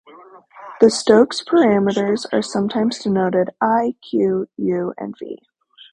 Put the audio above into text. The Stokes parameters are sometimes denoted "I", "Q", "U" and "V".